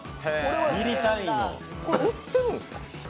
これは売ってるんですか？